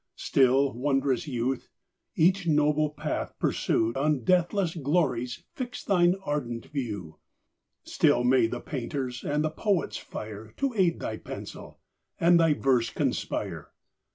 Still, wond'rous youth! each noble path pursue, On deathless glories fix thine ardent view: Still may the painter's and the poet's fire To aid thy pencil, and thy verse conspire!